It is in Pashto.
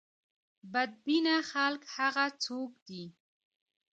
بد بینه خلک هغه څوک دي.